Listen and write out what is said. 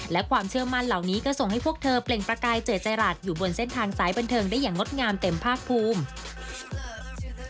และความเชื่อมั่นเหล่านี้ก็ส่งให้พวกเธอเปล่งประกายเจิดจรัสอยู่บนเส้นทางสายบันเทิงได้อย่างงดงามเต็มภาคภูมิ